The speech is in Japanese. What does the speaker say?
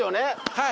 はい。